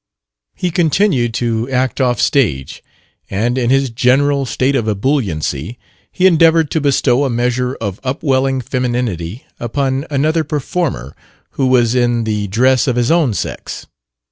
He continued to act off stage; and in his general state of ebulliency he endeavored to bestow a measure of upwelling femininity upon another performer who was in the dress of his own sex.